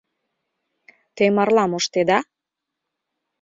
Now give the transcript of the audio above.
— Те марла моштеда?